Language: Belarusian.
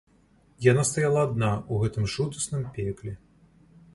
Яна стаяла адна ў гэтым жудасным пекле.